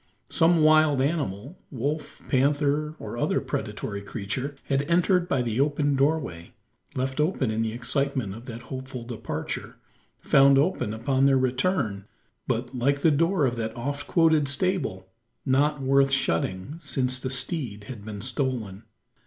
Some wild animal wolf, panther, or other predatory creature had entered by the open doorway, left open in the excitement of that hopeful departure found open upon their return but, like the door of that oft quoted stable, not worth shutting, since the steed had been stolen.